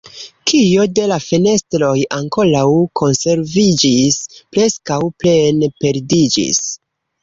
Kio de la fenestroj ankoraŭ konserviĝis, preskaŭ plene perdiĝis.